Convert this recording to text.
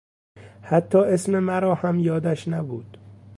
حتی اسم مرا هم یادش نبود!